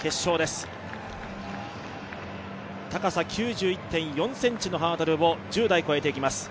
高さ９１．４ｃｍのハードルを１０台越えていきます